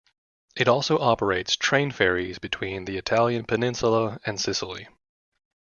It also operates train ferries between the Italian Peninsula and Sicily.